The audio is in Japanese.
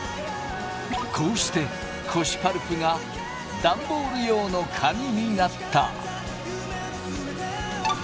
こうして古紙パルプがダンボール用の紙になった。